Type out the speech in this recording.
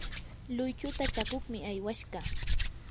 luychuta chakuqmi aywashqa.